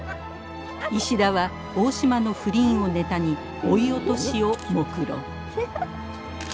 石田は大島の不倫をネタに追い落としをもくろむ。